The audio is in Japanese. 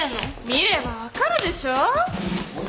見れば分かるでしょ。